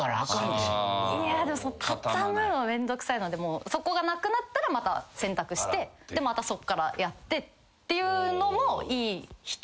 いやでも畳むの面倒くさいのでそこがなくなったらまた洗濯してまたそっからやってっていうのもいい人。